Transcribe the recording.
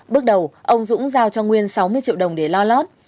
bước đầu ông dũng giao cho nguyên sáu mươi triệu đồng để lo lót